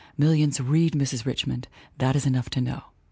Millions read Mrs. Richmond. That is enough to know.